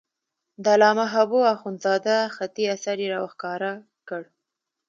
د علامه حبو اخندزاده خطي اثر یې را وښکاره کړ.